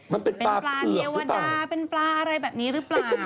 มันเป็นปลาเปลือกหรือเปล่าเป็นปลาเยวดาเป็นปลาอะไรแบบนี้หรือเปล่าอย่างนี้